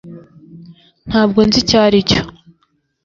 ntabwo nzi icyo aricyo